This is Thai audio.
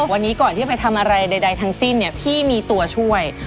วันนี้ก่อนที่จะไปทำอะไรใดทั้งสิ้นเนี่ยพี่มีตัวช่วย